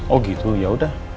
oh gitu yaudah